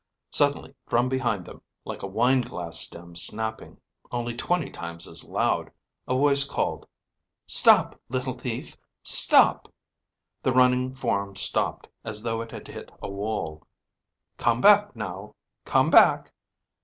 Suddenly, from behind them, like a wine glass stem snapping, only twenty times as loud, a voice called, "Stop, little thief. Stop." The running form stopped as though it had hit a wall. "Come back, now! Come back!"